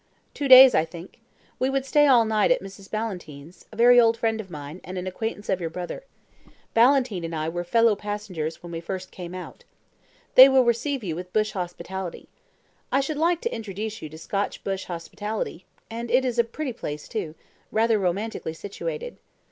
"Two days, I think. We would stay all night at Mrs. Ballantyne's, a very old friend of mine, and an acquaintance of your brother. Ballantyne and I were fellow passengers when we first came out. They will receive you with bush hospitality. I should like to introduce you to Scotch bush hospitality, and it is a pretty place, too; rather romantically situated."